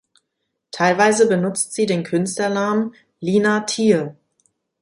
Teilweise benutzt sie den Künstlernamen "Lina Teal".